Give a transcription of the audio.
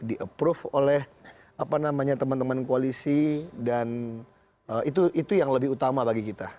di approve oleh teman teman koalisi dan itu yang lebih utama bagi kita